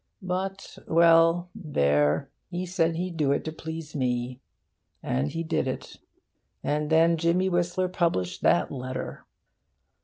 But well, there, he said he'd do it to please me. And he did it. And then Jimmy Whistler published that letter.